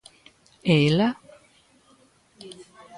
_¿E ela?